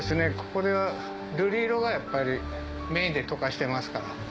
ここでは瑠璃色がやっぱりメインで溶かしてますから。